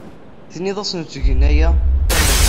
Tenniḍ-asen ur ttgen aya.